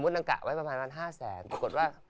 นางกะไว้ประมาณ๕แสนปรากฏว่า